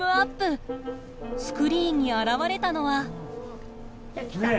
スクリーンに現れたのは。